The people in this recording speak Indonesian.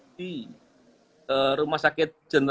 di rumah sakit